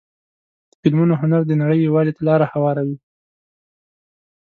د فلمونو هنر د نړۍ یووالي ته لاره هواروي.